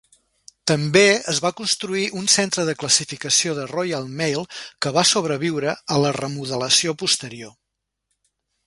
També es va construir un centre de classificació de Royal Mail que va sobreviure a la remodelació posterior.